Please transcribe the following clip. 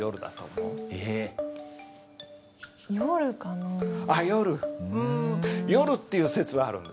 うん夜っていう説はあるんです。